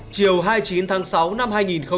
chiều hai mươi chín tháng sáu năm